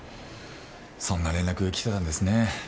そんな連絡来てたんですね。